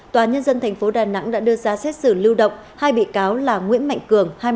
tòa nhân dân tp đà nẵng đã đưa ra xét xử lưu động hai bị cáo là nguyễn mạnh cường